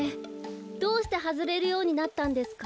どうしてはずれるようになったんですか？